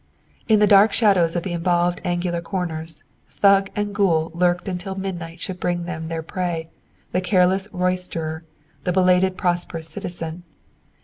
In the dark shadows of the involved angular corners, thug and ghoul lurked until midnight should bring them their prey, the careless roysterer, or the belated prosperous citizen.